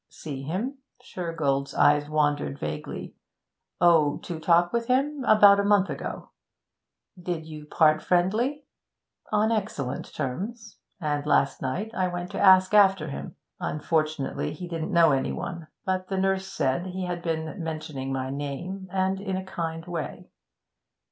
'See him?' Shergold's eyes wandered vaguely. 'Oh, to talk with him, about a month ago.' 'Did you part friendly?' 'On excellent terms. And last night I went to ask after him. Unfortunately he didn't know any one, but the nurse said he had been mentioning my name, and in a kind way.'